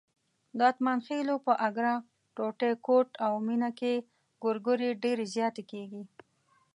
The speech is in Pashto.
د اتمانخېلو په اګره، ټوټی، کوټ او مېنه کې ګورګورې ډېرې زیاتې کېږي.